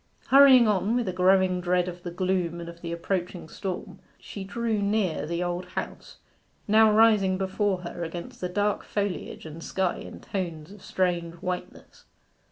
Hurrying on, with a growing dread of the gloom and of the approaching storm, she drew near the Old House, now rising before her against the dark foliage and sky in tones of strange whiteness.